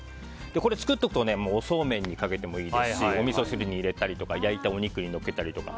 これ、作っておくとおそうめんにかけてもいいですしおみそ汁に入れたり焼いたお肉にのっけたりとか